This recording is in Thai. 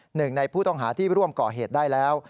หนึ่งในผู้ต้องหาที่ร่วมก่อเหตุได้แล้ว